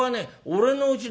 「俺のうち」。